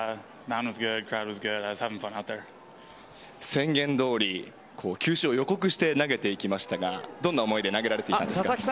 宣言どおり球種を予告して投げてきましたがどんな思いで投げられていたんですか？